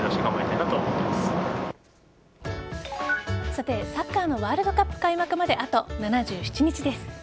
さて、サッカーのワールドカップ開幕まであと７７日です。